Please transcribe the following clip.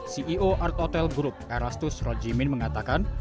ceo art hotel group erastus rojimin mengatakan